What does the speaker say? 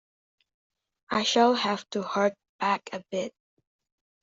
I shall have to hark back a bit.